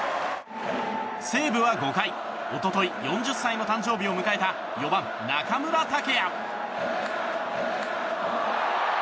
西武は５回一昨日４０歳の誕生日を迎えた４番、中村剛也。